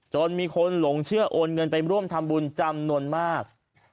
จนมีคนหลงเชื่อโอนเงินไปร่วมทำบุญจำนวนมาก